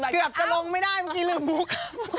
เกือบจะลงไม่ได้เมื่อกี้ลืมบุ๊ก